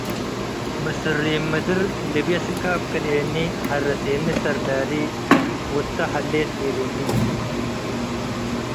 ምስል ሪም ምደር ልብየ ሰካብ ከልኤኒ ሃረሰኒ ሰር ላሊ ው ታ ሀሌት ቤለኒ